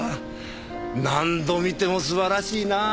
何度見ても素晴らしいなあ。